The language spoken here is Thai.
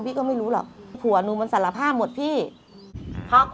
พี่ก็ไม่รู้หรอก